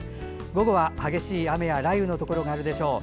午後は激しい雨や雷雨のところがあるでしょう。